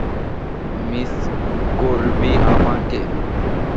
Miss করবি আমাকে?